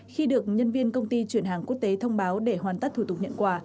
khi được nhân viên công ty chuyển hàng quốc tế thông báo để hoàn tất thủ tục nhận quà